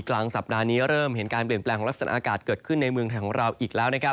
กลางสัปดาห์นี้เริ่มเห็นการเปลี่ยนแปลงของลักษณะอากาศเกิดขึ้นในเมืองไทยของเราอีกแล้วนะครับ